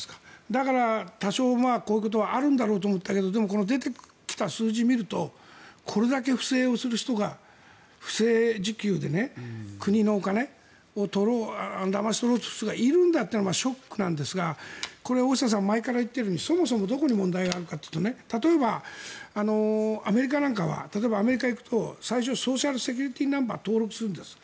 だから、多少こういうことはあるんだろうと思ったけどでも、出てきた数字を見るとこれだけ不正をする人が不正受給で国のお金をだまし取ろうとする人がいるんだということがショックなんですがこれ、大下さん前から言っているようにそもそもどこに問題があるかというと例えばアメリカなんかは例えば、アメリカに行くと最初ソーシャルセキュリティーナンバーを登録するんです。